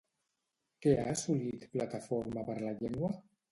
Què ha assolit Plataforma per la Llengua?